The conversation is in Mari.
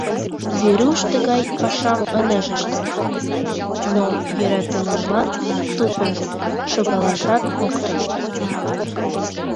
Веруш тыгай пашам ынеж ыште, но йӧратымыжлан тупынь шогалашат ок тошт.